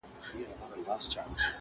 • شا و خوا د تورو کاڼو کار و بار دی,